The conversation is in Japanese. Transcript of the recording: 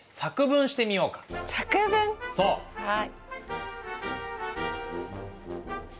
はい。